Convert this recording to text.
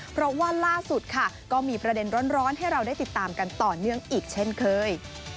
เพราะว่าล่าสุดค่ะก็มีประเด็นร้อนให้เราได้ติดตามกันต่อเนื่องอีกเช่นเคย